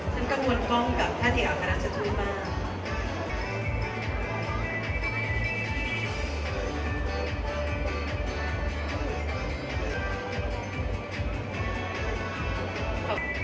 กังวลกล้องกับท่านเอกอัครราชทูตมาก